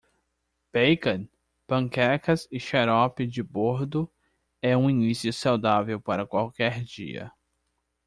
Bacon? panquecas e xarope de bordo é um início saudável para qualquer dia.